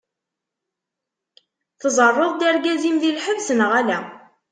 Tẓerreḍ-d argaz-im di lḥebs neɣ ala?